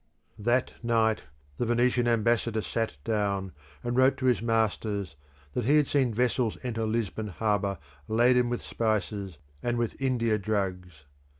That night, the Venetian ambassador sat down and wrote to his masters that he had seen vessels enter Lisbon harbour laden with spices and with India drugs.